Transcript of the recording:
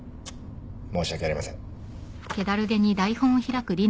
申し訳ありません。